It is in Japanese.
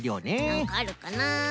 なんかあるかな。